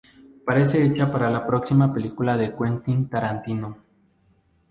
Parece hecha para la próxima película de Quentin Tarantino".